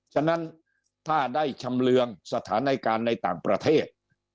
ฉะนั้นถ้าได้ชำเรืองสถานการณ์ในต่างประเทศ